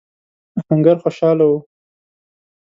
آهنګر خوشاله و.